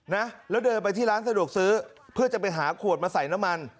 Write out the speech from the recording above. นะแล้วเดินไปที่ร้านสะดวกซื้อเพื่อจะไปหาขวดมาใส่น้ำมัน